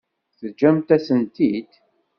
Teǧǧamt-asen-t-id?